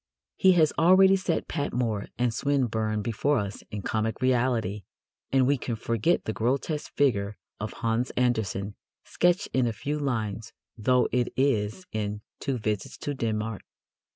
He has already set Patmore and Swinburne before us in comic reality, and who can forget the grotesque figure of Hans Andersen, sketched in a few lines though it is, in Two Visits to Denmark?